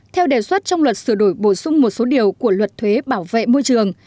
theo đề xuất trong luật sửa đổi bổ sung một số điều của luật thuế bảo vệ môi trường